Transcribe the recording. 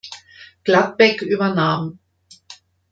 Gladbeck übernahm.